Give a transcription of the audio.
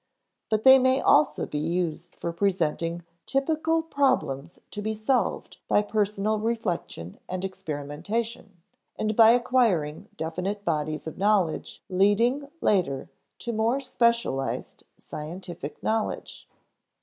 But they may also be used for presenting _typical problems to be solved by personal reflection and experimentation, and by acquiring definite bodies of knowledge leading later to more specialized scientific knowledge_.